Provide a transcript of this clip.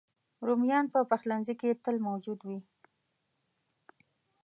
رومیان په پخلنځي کې تل موجود وي